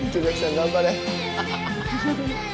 頑張れ。